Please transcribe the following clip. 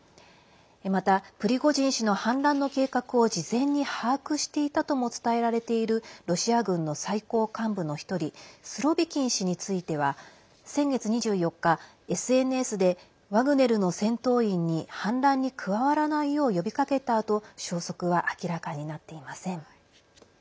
また、プリゴジン氏の反乱の計画を事前に把握していたとも伝えられているロシア軍の最高幹部の１人スロビキン氏については先月２４日、ＳＮＳでワグネルの戦闘員に反乱に加わらないよう呼びかけたあと消息は明らかになっていません。